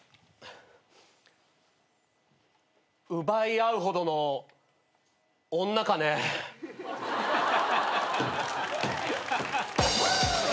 奪い合うほどの女かねぇ。